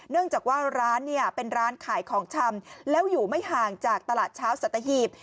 จากว่าร้านเนี่ยเป็นร้านขายของชำแล้วอยู่ไม่ห่างจากตลาดเช้าสัตหีบ